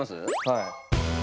はい。